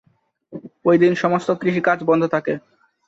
ঐদিন সমস্ত কৃষিকাজ বন্ধ থাকে।